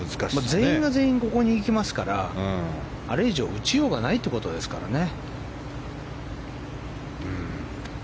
全員が全員ここに行きますからあれ以上、打ちようがないってことですからね。